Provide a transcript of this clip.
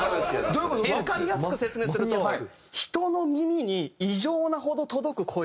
わかりやすく説明すると人の耳に異常なほど届く声質をしてるんですよね。